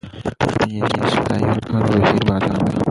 د ټولنې اصلاح يې اوږدمهاله بهير باله.